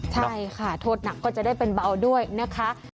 ใช่ค่ะโทษหนักก็จะได้เป็นเบาด้วยนะคะ